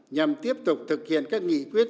nhằm tiếp tục thực hiện các nghị quyết